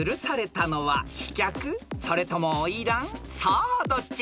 ［さあどっち？］